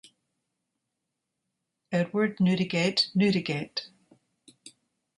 Edward Newdigate Newdegate.